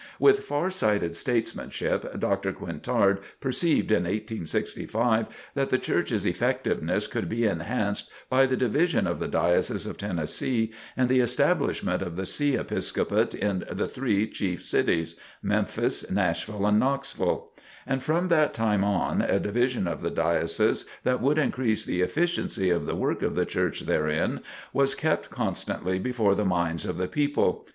With far sighted statesmanship, Dr. Quintard perceived in 1865, that the Church's effectiveness could be enhanced by the Division of the Diocese of Tennessee and the establishment of the See Episcopate in the three chief cities, Memphis, Nashville and Knoxville. And from that time on, a division of the Diocese that would increase the efficiency of the work of the Church therein, was kept constantly before the minds of the people.